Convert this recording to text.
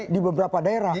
di beberapa daerah